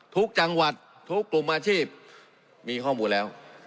ทุกจังหวัดทุกกลุ่มอาชีพมีข้อมูลแล้ว